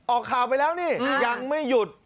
ออกข่าวไปแล้วนี่ยังไม่หยุด